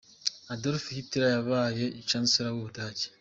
Adolf Hitler yabaye Chancelor w’u Budage.